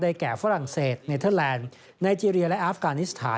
แก่ฝรั่งเศสเนเทอร์แลนด์ไนเจรียและอาฟกานิสถาน